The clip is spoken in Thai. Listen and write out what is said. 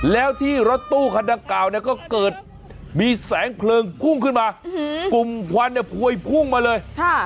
แล้วที่รถตู้คันดังกล่าวเนี่ยก็เกิดมีแสงเพลิงพุ่งขึ้นมากลุ่มควันเนี่ยพวยพุ่งมาเลย